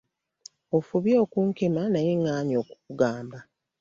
Ofubye okunkema naye ŋŋaanyi okukugamba.